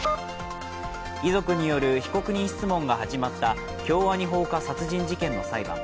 遺族による被告人質問が始まった京アニ放火殺人事件の裁判。